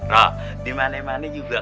roh di mana mana juga